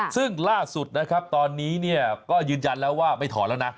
ซึ่งล่าสุดนะครับตอนนี้เนี่ยก็ยืนยันแล้วว่าไม่ถอนแล้วนะ